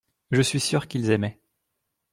Je suis sûr qu’ils aimaient.